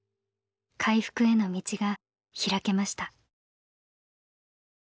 回復への道が開けました。